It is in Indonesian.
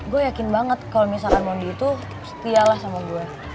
gue yakin banget kalo misalkan mondi itu setialah sama gue